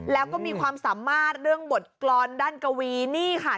แล้วก็มีความสามารถเรื่องบทกรรมด้านกวีนี่ค่ะ